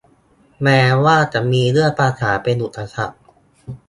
แม้ว่าจะมีเรื่องภาษาเป็นอุปสรรค